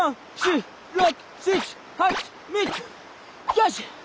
よし！